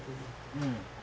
うん。